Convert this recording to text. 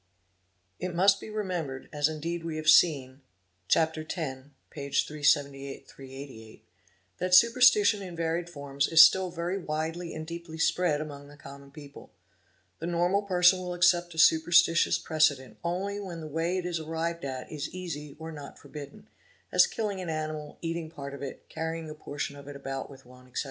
It must be remembered, as indeed we have seen, Chap. X, pp. 378 38 é that superstition in varied forms is still very widely and deepl: INJURIES TO CORPSES 651 spread among the common people. The normal person will accept a superstitious precedent only when the way it is arrived at is easy or not forbidden, as killing an animal, eating part of it, carrying a portion of it about with one, etc.